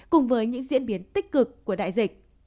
cùng với những diễn biến tích cực của đại dịch